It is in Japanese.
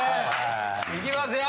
いきますよ